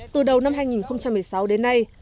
từ đầu năm hai nghìn một mươi sáu đến nay